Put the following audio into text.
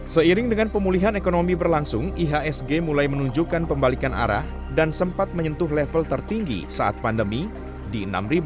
seiring dengan pemulihan ekonomi berlangsung ihsg mulai menunjukkan pembalikan arah dan sempat menyentuh level tertinggi saat pandemi di enam empat ratus dua puluh sembilan tujuh puluh enam